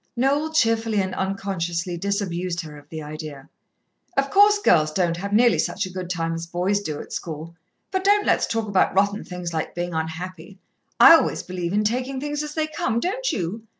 Noel cheerfully and unconsciously disabused her of the idea. "Of course, girls don't have nearly such a good time as boys do at school. But don't let's talk about rotten things like being unhappy. I always believe in taking things as they come, don't you?